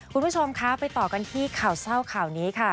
คุณผู้ชมคะไปต่อกันที่ข่าวเศร้าข่าวนี้ค่ะ